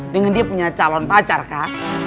dengan dia punya calon pacar kan